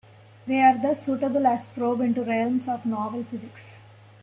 They are thus suitable as a probe into realms of novel physics.